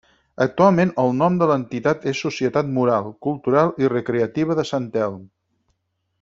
Actualment el nom de l'entitat és Societat Moral, Cultural i Recreativa de Sant Telm.